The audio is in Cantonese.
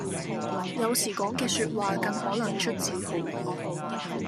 有時講嘅說話更可能出自好意